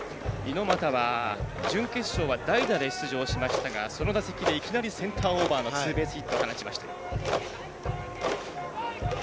猪俣は、準決勝は代打で出場しましたがその打席でいきなりセンターオーバーのツーベースヒットを放ちました。